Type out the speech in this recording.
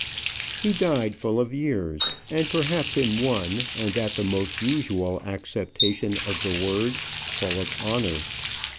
He died full of years, and perhaps in one, and that the most usual acceptation of the word, full of honour.